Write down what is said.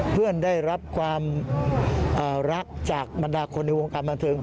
เพื่อนได้รับความรักจากบรรดาคนในวงการบันเทิง